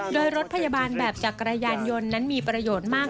โดยรถพยาบาลแบบจักรยานยนต์นั้นมีประโยชน์มาก